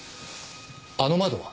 あの窓は？